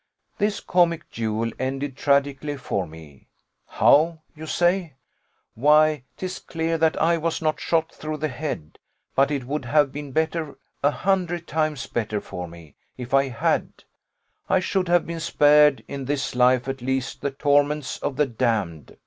This comic duel ended tragically for me. 'How?' you say. Why, 'tis clear that I was not shot through the head; but it would have been better, a hundred times better for me, if I had; I should have been spared, in this life at least, the torments of the damned.